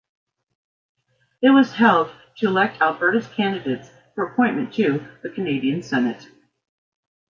It was held to elect Alberta's candidates for appointment to the Canadian Senate.